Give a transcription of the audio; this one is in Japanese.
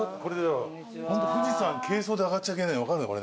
ホント富士山軽装で上がっちゃいけないの分かるね。